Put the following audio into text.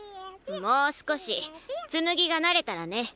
もう少しつむぎが慣れたらね。